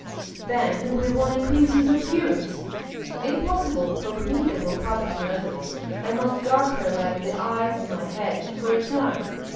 "Then we will increase his adherents." "Impossible, for Kmita will publish the letters. I must guard her like the eyes in my head for a time.